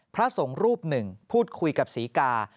พระสงฆ์รูปหนึ่งพูดคุยกับศรีกา